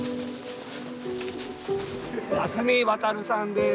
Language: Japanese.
蓮実渉さんです。